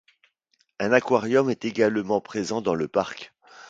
Un aquarium est également présent dans le parc.